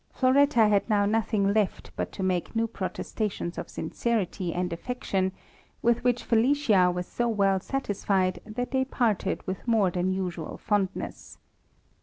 Floretta had now nothing left but to make new protestations of sincerity THE RAMBLER. 6i and affection, with which Felicia was so well satisfied, that they parted with more than usual fondness.